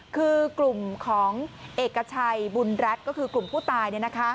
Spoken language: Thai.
คือกลุ่มของเอกชัยบุญรัฐก็คือกลุ่มผู้ตาย